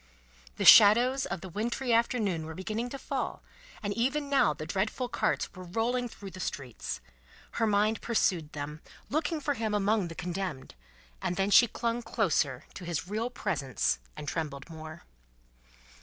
The shadows of the wintry afternoon were beginning to fall, and even now the dreadful carts were rolling through the streets. Her mind pursued them, looking for him among the Condemned; and then she clung closer to his real presence and trembled more.